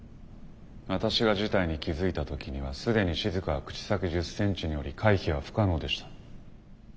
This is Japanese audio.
私が事態に気付いた時には既にしずかは口先１０センチにおり回避は不可能でした。